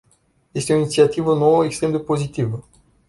Este o inițiativă nouă extrem de pozitivă.